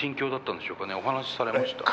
お話しされました？